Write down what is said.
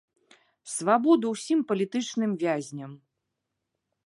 Свабоду ўсім палітычным вязням!